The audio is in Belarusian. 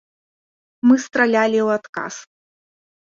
Мы стралялі ў адказ!